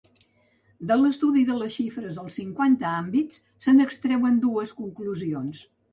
De l’estudi de les xifres als cinquanta àmbits, se n’extrauen dues conclusions.